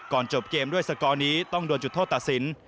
จบเกมด้วยสกอร์นี้ต้องโดนจุดโทษตัดสิน